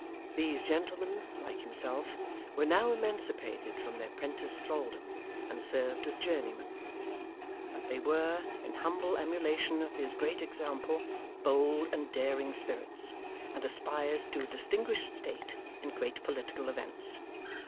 These gentlemen, like himself, were now emancipated from their 'prentice thraldom, and served as journeymen; but they were, in humble emulation of his great example, bold and daring spirits, and aspired to a distinguished state in great political events.